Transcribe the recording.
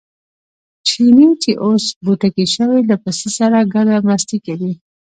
چیني چې اوس بوتکی شوی له پسه سره ګډه مستي کوي.